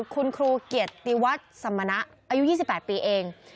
คุณครูเกียรติวัฒน์สมณะอายุ๒๘ปีเอง